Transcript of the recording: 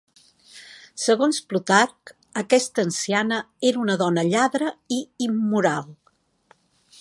Segons Plutarc, aquesta anciana era una dona lladre i immoral.